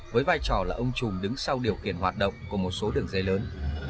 với vai trò là ông chùm đứng sau điều kiện hoạt động của một số đường dây lớn